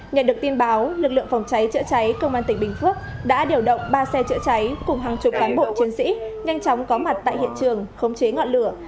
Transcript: nhận được tin báo lực lượng phòng cháy chữa cháy công an tỉnh bình phước đã điều động ba xe chữa cháy cùng hàng chục cán bộ chiến sĩ nhanh chóng có mặt tại hiện trường khống chế ngọn lửa